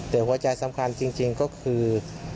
แต่หัวใจสำคัญจริงก็คือ